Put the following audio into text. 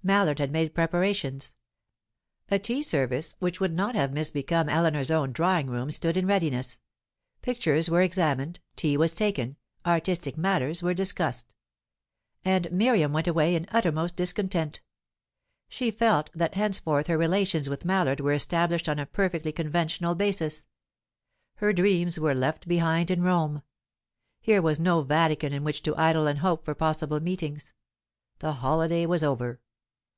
Mallard had made preparations. A tea service which would not have misbecome Eleanor's own drawing room stood in readiness. Pictures were examined, tea was taken, artistic matters were discussed. And Miriam went away in uttermost discontent. She felt that henceforth her relations with Mallard were established on a perfectly conventional basis. Her dreams were left behind in Rome. Here was no Vatican in which to idle and hope for possible meetings. The holiday was over.